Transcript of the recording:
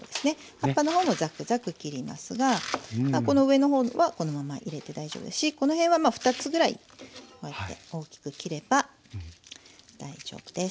葉っぱの方もザクザク切りますが上の方はこのまま入れて大丈夫だしこの辺は２つぐらいこうやって大きく切れば大丈夫です。